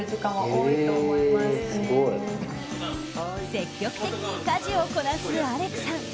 積極的に家事をこなすアレクさん。